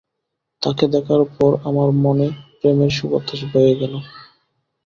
তাকে দেখার পর আমার মনে প্রেমের সুবাতাস বয়ে গেলো।